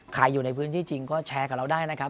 อยู่ในพื้นที่จริงก็แชร์กับเราได้นะครับ